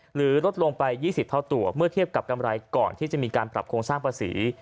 ลดลงไป๒๐เท่าตัวเมื่อเทียบกับกำไรก่อนที่จะมีการปรับโครงสร้างภาษี